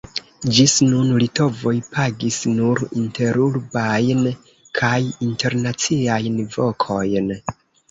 Ĝis nun litovoj pagis nur interurbajn kaj internaciajn vokojn.